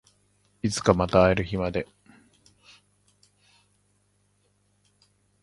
いつかまた会える日まで